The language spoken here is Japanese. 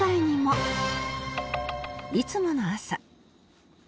いつもの朝